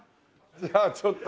じゃあちょっと。